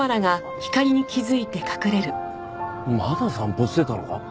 まだ散歩してたのか？